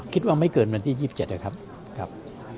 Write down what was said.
คิดว่าไม่เกินวันที่๒๗ครับ